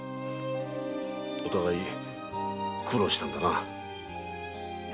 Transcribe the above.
お互い苦労したんだな。